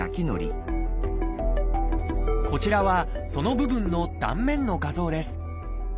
こちらはその部分の断面の画像です。